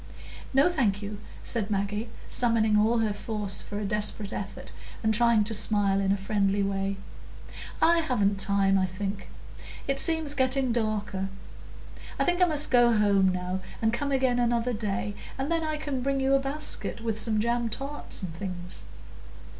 "No, thank you," said Maggie, summoning all her force for a desperate effort, and trying to smile in a friendly way. "I haven't time, I think; it seems getting darker. I think I must go home now, and come again another day, and then I can bring you a basket with some jam tarts and things."